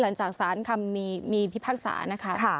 หลังจากสารคำมีพิพากษานะคะ